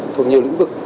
thuộc nhiều lĩnh vực